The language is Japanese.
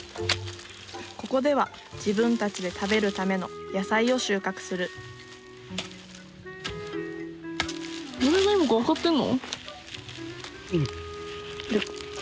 ここでは自分たちで食べるための野菜を収穫するうん。